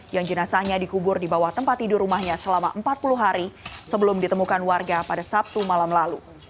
yang jenazahnya dikubur di bawah tempat tidur rumahnya selama empat puluh hari sebelum ditemukan warga pada sabtu malam lalu